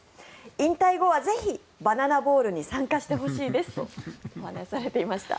引退後はぜひ、バナナボールに参加してほしいですとお話しされていました。